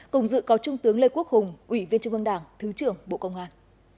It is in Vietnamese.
cùng dự có trung tướng lê quốc hùng ủy viên trung ương đảng thứ trưởng bộ công an